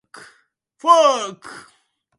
It is in the town of Sherburne, north of Norwich.